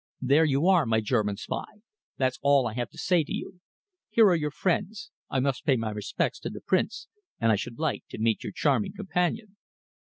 There you are, my German spy, that's all I have to say to you. Here are your friends. I must pay my respects to the Prince, and I should like to meet your charming companion."